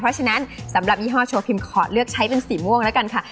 เพราะฉะนั้นสำหรับยี่ห้อโชว์พิมพ์ขอเลือกใช้เป็นสีม่วงแล้วกันค่ะ